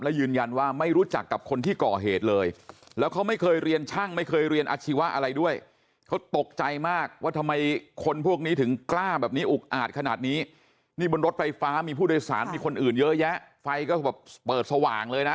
ลูกสถานที่มีคนอื่นเยอะแยะไฟก็แบบเปิดสว่างเลยนะ